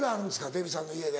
デヴィさんの家で。